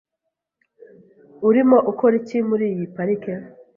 Urimo ukora iki muri iyi parike?